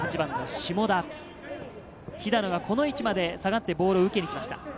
肥田野がこの位置まで下がってボールを受けにきました。